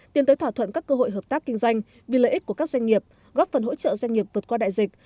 tiến tới thỏa thuận các cơ hội hợp tác kinh doanh vì lợi ích của các doanh nghiệp góp phần hỗ trợ doanh nghiệp vượt qua đại dịch